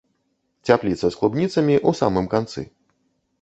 Цяпліца з клубніцамі ў самым канцы.